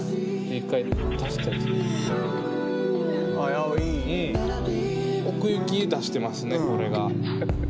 あいいいい！奥行き出してますねこれが。